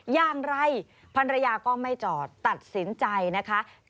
อย่างไรพันรยาก็ไม่จอดตัดสินใจนะคะ